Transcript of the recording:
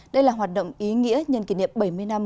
đây là hoạt động ý nghĩa nhân kỷ niệm bảy mươi năm